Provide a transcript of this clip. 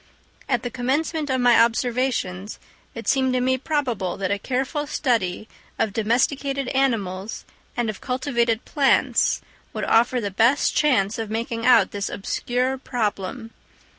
At the commencement of my observations it seemed to me probable that a careful study of domesticated animals and of cultivated plants would offer the best chance of making out this obscure problem.